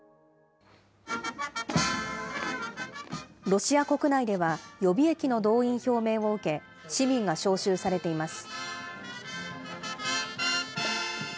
ロシア国内では、予備役の動員表明を受け、市民が招集されています。